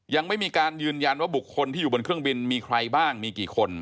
ยังไม่มีการยืนยันว่าบุคคลที่อยู่บนเครื่องบินมีใครบ้างมีกี่คน